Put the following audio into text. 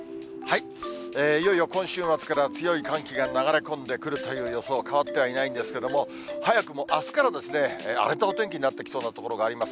いよいよ今週末から強い寒気が流れ込んでくるという予想、変わってはいないんですけれども、早くもあすから、荒れたお天気になってきそうな所があります。